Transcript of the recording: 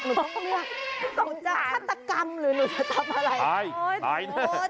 หนูต้องเลี่ยงต้องจ่ายฆาตกรรมหรือหนูจะทับอะไรตายตาย